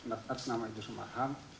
atas nama idrus umarham